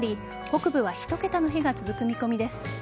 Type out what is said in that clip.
北部は１桁の日が続く見込みです。